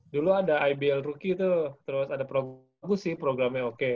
dulu ada ibl rookie tuh terus ada program sih programnya oke